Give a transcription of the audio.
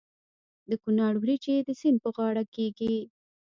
د کونړ وریجې د سیند په غاړه کیږي.